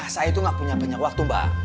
saya itu gak punya banyak waktu mbak